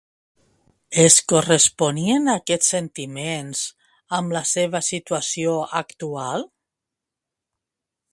Es corresponien aquests sentiments amb la seva situació actual?